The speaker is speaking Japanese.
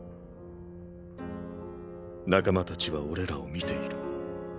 仲間たちは俺らを見ている。